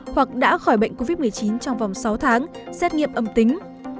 hoặc đã khỏi bệnh covid một mươi chín trong vòng sáu tháng xét nghiệm âm tính